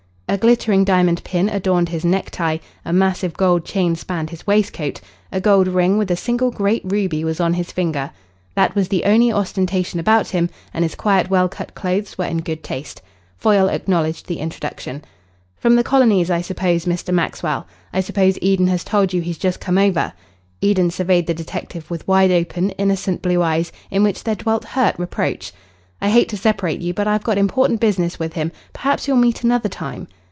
A glittering diamond pin adorned his necktie, a massive gold chain spanned his waistcoat, a gold ring with a single great ruby was on his finger. That was the only ostentation about him, and his quiet, well cut clothes were in good taste. Foyle acknowledged the introduction. "From the colonies, I suppose, Mr. Maxwell? I suppose Eden has told you he's just come over." Eden surveyed the detective with wide open, innocent blue eyes in which there dwelt hurt reproach. "I hate to separate you, but I've got important business with him. Perhaps you'll meet another time."